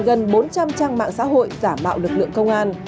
gần bốn trăm linh trang mạng xã hội giả mạo lực lượng công an